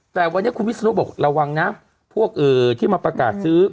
แต่วันนี้คุณวิศนุบอกระวังนะพวกที่มาประกาศซื้อ